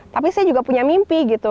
tapi saya juga punya mimpi gitu